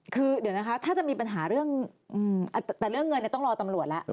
คือเดี๋ยวนะครับถ้าจะมีปัญหาเรื่องเงินต้องรอตำรวจแล้ว